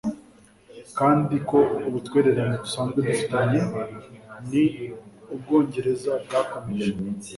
kandi ko ubutwererane dusanzwe dufitanye n Ubwongereza bwakomeje